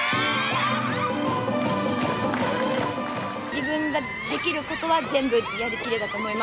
自分ができることは全部やりきれたと思います。